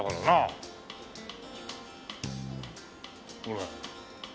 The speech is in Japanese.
ほら。